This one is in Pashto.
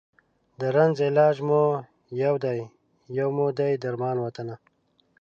د رنځ علاج مو یو دی، یو مو دی درمان وطنه